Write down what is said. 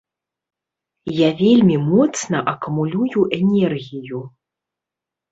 Я вельмі моцна акумулюю энергію.